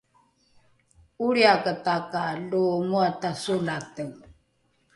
’olriakata ka lo moata solate